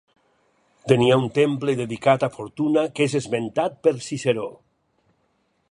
Tenia un temple dedicat a Fortuna que és esmentat per Ciceró.